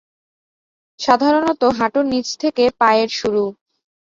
সাধারণত হাঁটুর নিচ থেকে পা এর শুরু।